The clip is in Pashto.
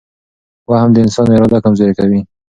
وهم د انسان اراده کمزورې کوي.